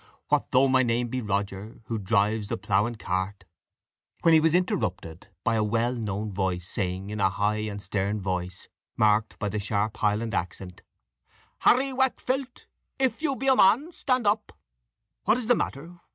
What though my name be Roger, Who drives the plough and cart " when he was interrupted by a well known voice saying in a high and stern voice, marked by the sharp Highland accent, "Harry Waakfelt, if you be a man, stand up!" "What is the matter?